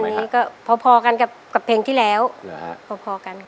วันนี้ก็พอกันกับเพลงที่แล้วพอกันค่ะ